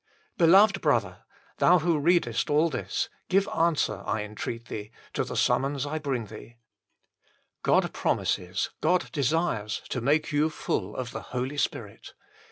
Beloved brother, thou who readest all this, 90 THE FULL BLESSING OF PENTECOST give answer, I entreat thee, to the summons I bring thee. God promises, God desires to make you full of the Holy Spirit.